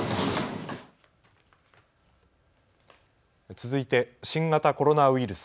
続いて新型コロナウイルス。